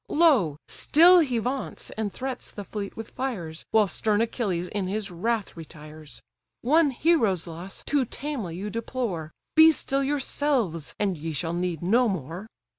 Lo! still he vaunts, and threats the fleet with fires, While stern Achilles in his wrath retires. One hero's loss too tamely you deplore, Be still yourselves, and ye shall need no more.